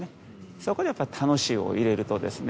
そこでやっぱり楽しいを入れるとですね